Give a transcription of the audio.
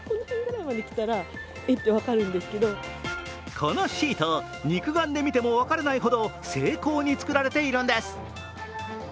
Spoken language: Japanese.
このシート、肉眼で見ても分からないほど精巧に作られているんです。